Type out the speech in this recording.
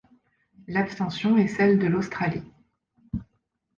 L'abstention est celle de l'Australie.